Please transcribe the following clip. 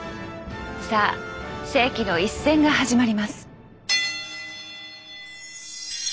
さあ世紀の一戦が始まります！